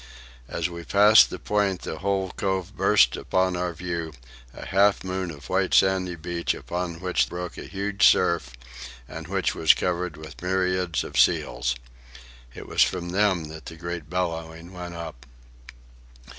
As we passed the point the whole cove burst upon our view, a half moon of white sandy beach upon which broke a huge surf, and which was covered with myriads of seals. It was from them that the great bellowing went up.